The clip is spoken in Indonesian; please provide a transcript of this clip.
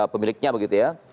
pemiliknya begitu ya